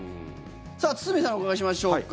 堤さんにお伺いしましょうか。